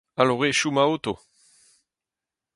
Alc'hwezioù ma oto !